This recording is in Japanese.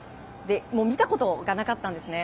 もう見たことがなかったんですね。